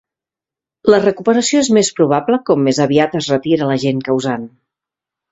La recuperació és més probable com més aviat es retira l'agent causant.